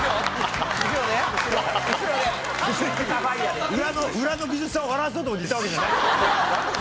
別に裏の技術さん笑わそうと思って言ったわけじゃない。